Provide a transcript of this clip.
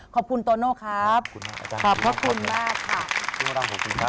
ขอบคุณคุณโตโน่ครับขอบคุณมากค่ะ